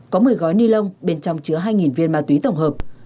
có một mươi gói ni lông bên trong chứa hai viên ma túy tổng hợp